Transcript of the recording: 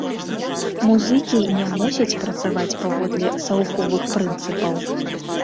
Музыкі не мусяць працаваць паводле саўковых прынцыпаў.